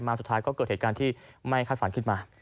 สุดท้ายก็เกิดเหตุการณ์ที่ไม่คาดฝันขึ้นมา